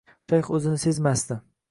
Shayx o`zini sezmasdi